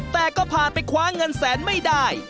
แต่ก็ผ่านไปคว้าเงินแสนไม่ได้